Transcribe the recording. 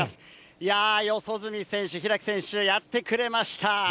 いやー、四十住選手、開選手、やってくれました。